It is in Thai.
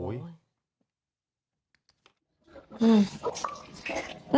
นั่ง